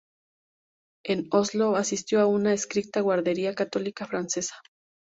En Oslo asistió a una estricta guardería católica francesa.